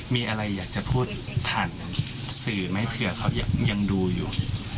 มีอะไรอยากจะพูดผ่านสื่อไหมเผื่อเขายังดูอยู่